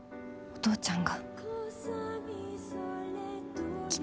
お父ちゃん！